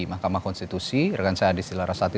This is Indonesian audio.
mahkamah konstitusi rekan saya adi silara sati